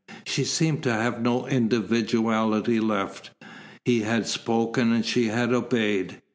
She seemed to have no individuality left. He had spoken and she had obeyed.